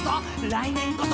来年こそ？